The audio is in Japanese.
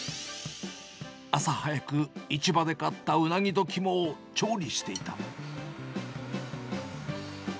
朝早く、市場で買ったウナギと肝を調理していた。